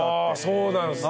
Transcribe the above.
そうなんですね。